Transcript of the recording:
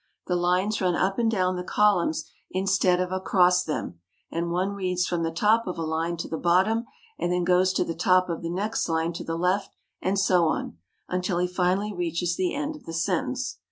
The lines run up and down the columns in stead of across them, and one reads from the top of a line to the bottom and then goes to the top of the next line to the left, and so on, until he finally reaches the end of the sentence.